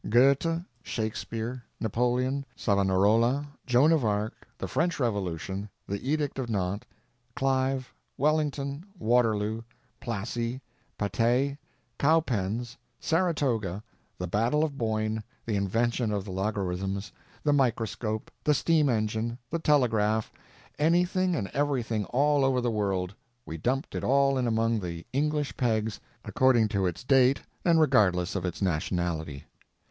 Goethe, Shakespeare, Napoleon, Savonarola, Joan of Arc, the French Revolution, the Edict of Nantes, Clive, Wellington, Waterloo, Plassey, Patay, Cowpens, Saratoga, the Battle of the Boyne, the invention of the logarithms, the microscope, the steam engine, the telegraph—anything and everything all over the world—we dumped it all in among the English pegs according to its date and regardless of its nationality.